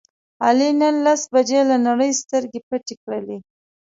علي نن لس بجې له نړۍ سترګې پټې کړلې.